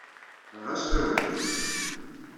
Ɣas ɣiwlemt.